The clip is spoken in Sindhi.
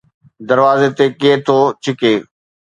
دروازي تي ڪير ٿو ڇڪي؟